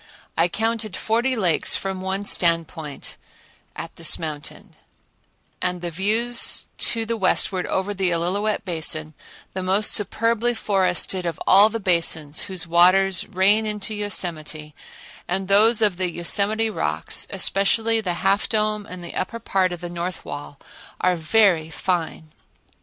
I counted forty lakes from one standpoint an this mountain, and the views to the westward over the Illilouette Basin, the most superbly forested of all the basins whose waters rain into Yosemite, and those of the Yosemite rocks, especially the Half Dome and the upper part of the north wall, are very fine.